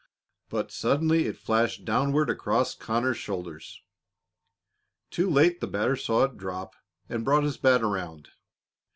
But suddenly it flashed downward across Conner's shoulders. Too late the batter saw it drop and brought his bat around.